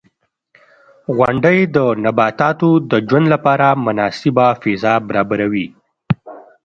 • غونډۍ د نباتاتو د ژوند لپاره مناسبه فضا برابروي.